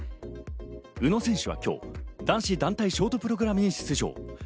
宇野選手は今日、男子団体ショートプログラムに出場。